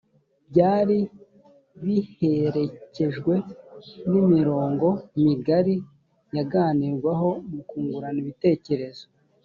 byari biherekejwe n’imirongo migari yaganirwaho mu kungurana ibitekerezo